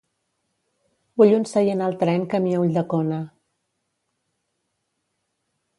Vull un seient al tren camí a Ulldecona.